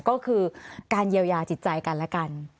ก็คือการเยียวยาจิตใจกันและกัน